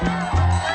tuk tuk tuk